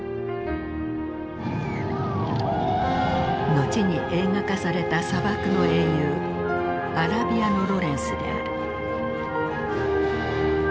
後に映画化された砂漠の英雄アラビアのロレンスである。